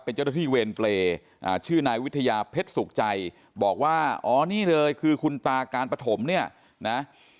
เป็นเจ้าหน้าที่เวรเปรย์ชื่อนายวิทยาเพชรสุขใจบอกว่าอ๋อนี่เลยคือคุณตาการปฐมเนี่ยนะ